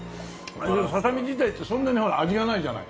ささみ自体ってそんなに味がないじゃない。